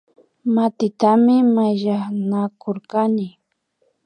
Matitami mayllanakurkani